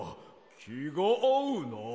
きがあうな。